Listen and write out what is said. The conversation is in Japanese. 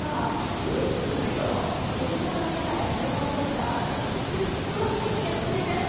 おおのってきた⁉デジファブの世界が広がっていったらすっごいケーキが作れちゃうって話ですよね？